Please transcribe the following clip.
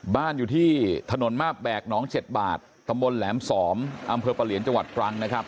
บ้านอยู่ที่ถนนมาบแบกน้อง๗บาทตำบลแหลม๒อำเภอปะเหลียนจังหวัดตรังนะครับ